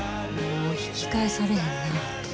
もう引き返されへんなぁて。